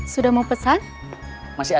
sampai jumpa besok